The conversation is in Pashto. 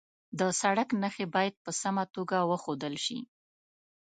د سړک نښې باید په سمه توګه وښودل شي.